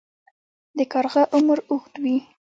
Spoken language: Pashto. د کارغه عمر اوږد وي